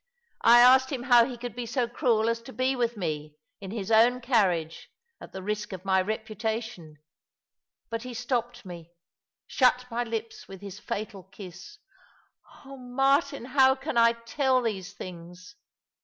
I asked him how he could be so cruel as to be with me, in his own carriage, at the risk of my reputation — but he stopped me — shut my lips with his fatal kiss. Oh, Martin, how can I tell these things?